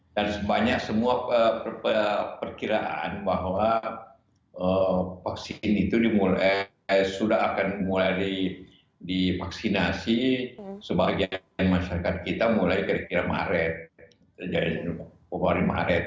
dan banyak semua perkiraan bahwa vaksin itu sudah akan mulai divaksinasi sebagian masyarakat kita mulai kira kira maret